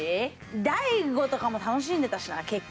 大悟とかも楽しんでたしな結構。